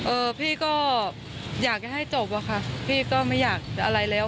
เอ่อพี่ก็อยากให้ให้จบว่าค่ะพี่ก็ไม่อยากอะไรแล้ว